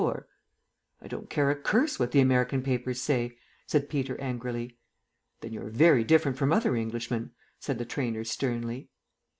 "I don't care a curse what the American papers say," said Peter angrily. "Then you're very different from other Englishmen," said the trainer sternly.